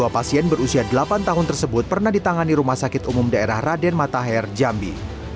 dua pasien berusia delapan tahun tersebut pernah ditangani rumah sakit umum daerah raden matahir jambi